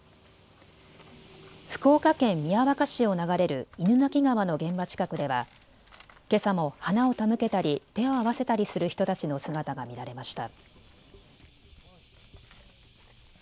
福岡県宮若市を流れる犬鳴川の現場近くではけさも花を手向けたり手を合わせたりする人たちの姿が見られました。